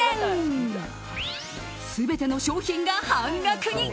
全ての商品が半額に。